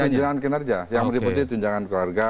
tunjangan kinerja yang meliputi tunjangan keluarga